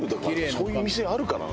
そういう店あるかな？